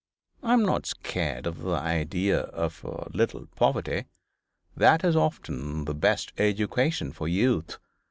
I am not scared by the idea of a little poverty. That is often the best education for youth.